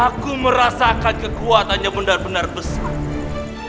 aku merasakan kekuatannya benar benar besar